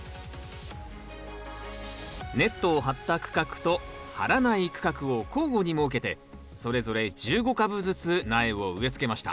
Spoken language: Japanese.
ネットを張った区画と張らない区画を交互に設けてそれぞれ１５株ずつ苗を植えつけました。